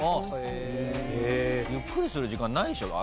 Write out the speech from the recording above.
ゆっくりする時間ないでしょ。